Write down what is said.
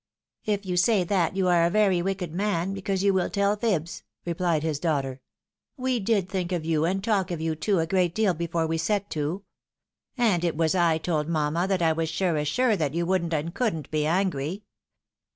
" K you say that, you are a very wicked man, because you will tell fibs," replied his daughter. " We did think of you, and talk of you, too, a great deal, before we set to. And it was I told mamma that I was sure as sure, that you wouldn't and couldn't be angry.